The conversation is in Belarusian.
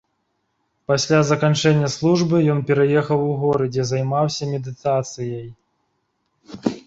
Пасля заканчэння службы ён пераехаў у горы, дзе займаўся медытацыяй.